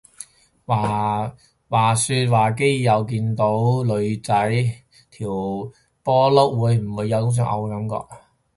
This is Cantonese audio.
話說話基友見到女仔條波罅會唔會有想嘔嘅感覺？